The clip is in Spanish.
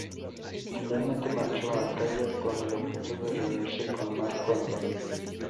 Finalmente marchó a Acaya con el objeto de reunirse con Marco Antonio.